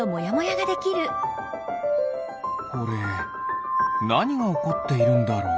これなにがおこっているんだろう？